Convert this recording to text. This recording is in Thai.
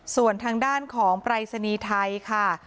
ส่วนทางด้านของปรายศนีย์ไทยค่ะ